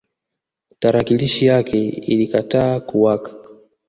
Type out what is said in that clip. Tarakilishi yake ilikataa kuwaka